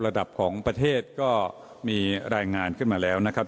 ระดับของประเทศก็มีรายงานขึ้นมาแล้วนะครับ